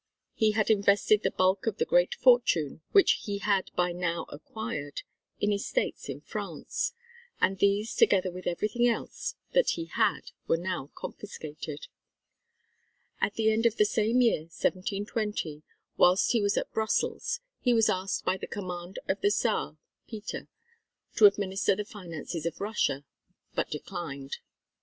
He had invested the bulk of the great fortune which he had by now acquired, in estates in France; and these together with everything else that he had were now confiscated. At the end of the same year, 1720, whilst he was at Brussels he was asked by the command of the Czar (Peter), to administer the finances of Russia, but declined.